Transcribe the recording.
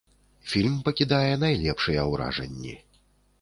Фільм пакідае найлепшыя ўражанні.